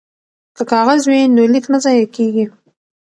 که کاغذ وي نو لیک نه ضایع کیږي.